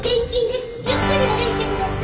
ゆっくり歩いてください。